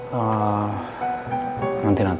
mas aku mau ke rumah